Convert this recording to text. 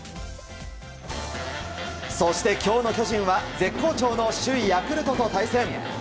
そして今日の巨人は絶好調の首位ヤクルトと対戦。